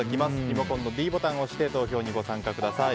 リモコンのｄボタンを押して投票に参加してください。